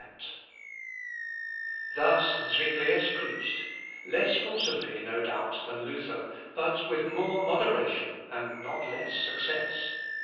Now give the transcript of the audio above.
] Thus Zuinglius preached; less forcibly, no doubt, than Luther, but with more moderation, and not less success.